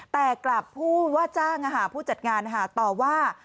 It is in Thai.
แต่กลับผู้ว่าจ้างผู้จัดงานต่อว่า